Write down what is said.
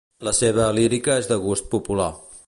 La seva lírica és de gust popular.